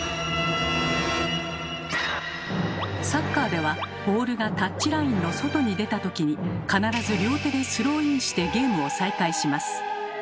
サッカーではボールがタッチラインの外に出た時に必ず両手でスローインしてゲームを再開します。